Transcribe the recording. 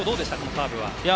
カーブは。